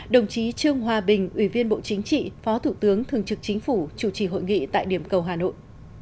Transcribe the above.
đồng chí trương hòa bình ủy viên bộ chính trị phó thủ tướng thường trực chính phủ chủ trì hội nghị tại điểm cầu hà nội